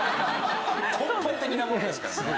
根本的なものですからね。